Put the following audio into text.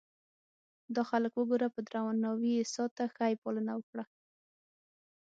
دا خلک وګوره په درناوي یې ساته ښه یې پالنه وکړه.